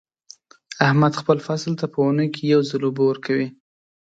احمد خپل فصل ته په اونۍ کې یو ځل اوبه ورکوي.